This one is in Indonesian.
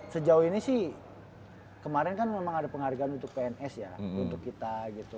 sejauh ini sih kemarin kan memang ada penghargaan untuk pns ya untuk kita gitu